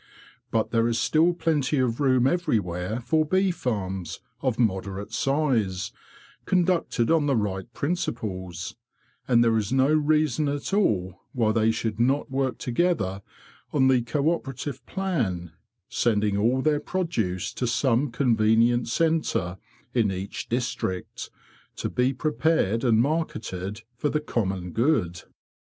But there is still plenty of room everywhere for bee farms of moderate size, conducted on the right principles; and there is no reason at all why they should not work together on the co operative plan, sending all their produce to some convenient centre in each district, to be prepared and marketed for the common good."